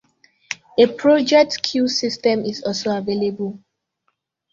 A project queue system is also available.